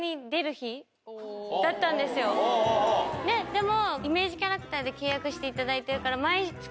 でも。